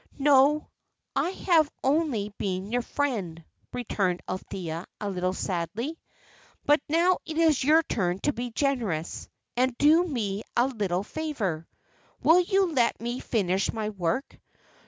"No, I have only been your friend," returned Althea, a little sadly. "But now it is your turn to be generous, and do me a little favour. Will you let me finish my work?